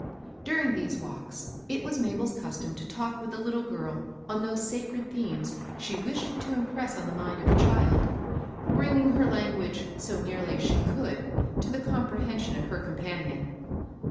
During these walks it was Mabel's custom to talk with the little girl on those sacrod themes she wished to impress on the mind of the child, brln^ ing her language, so nearly as she could, to the '^4: MAKEL KOSS. comprehension of her companion.